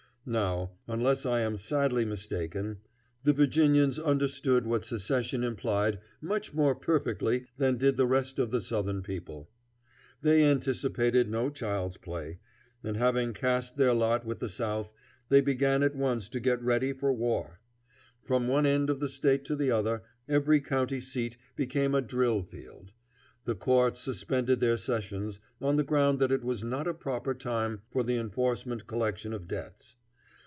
Now, unless I am sadly mistaken, the Virginians understood what secession implied much more perfectly than did the rest of the Southern people. They anticipated no child's play, and having cast in their lot with the South, they began at once to get ready for war. From one end of the State to the other, every county seat became a drill field. The courts suspended their sessions, on the ground that it was not a proper time for the enforced collection of debts.